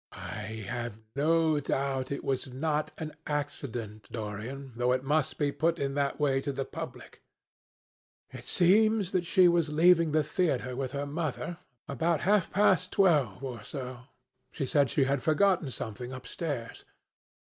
"I have no doubt it was not an accident, Dorian, though it must be put in that way to the public. It seems that as she was leaving the theatre with her mother, about half past twelve or so, she said she had forgotten something upstairs.